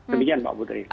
demikian pak putri